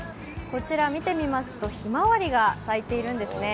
こちら見てみますと、ひまわりが咲いているんですね。